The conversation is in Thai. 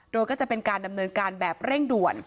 โดยก็จะเป็นการดำเนินการแบบเร่งด่วน